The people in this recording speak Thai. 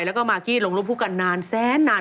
แล้วก็มากกี้ลงรูปคู่กันนานแสนนาน